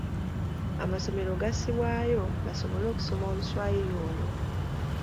Amasomero gassibwayo basobole okusoma Oluswayiri olwo.